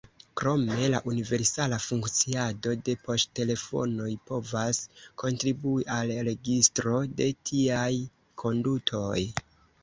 Krome la universala funkciado de poŝtelefonoj povas kontribui al registro de tiaj kondutoj.